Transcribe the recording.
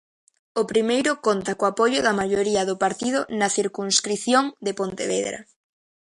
O primeiro conta co apoio da maioría do partido na circunscrición de Pontevedra.